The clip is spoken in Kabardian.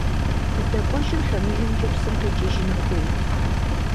КъыздэкӀуэжым лъэмыжкӀэ псым къикӀыжын хуейт.